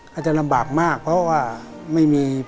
เขาจะลำบากมากเพราะว่า